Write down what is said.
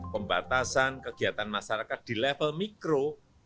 pembatasan kegiatan masyarakat di level mikro